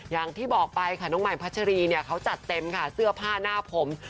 อย่างที่บอกไปค่ะน้องใหม่พัชรีเนี่ยเขาจัดเต็มค่ะเสื้อผ้าหน้าผม